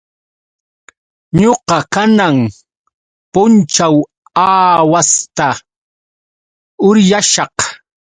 Ñuqa kanan punćhaw aawasta uryashaq.